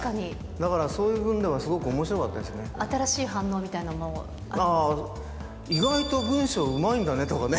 だからそういう部分ではすご新しい反応みたいなのもあり意外と文章うまいんだねとかね。